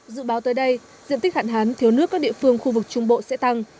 dự báo tới đây diện tích hạn hán thiếu nước các địa phương khu vực trung bộ sẽ tăng